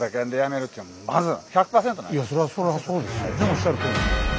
おっしゃるとおり。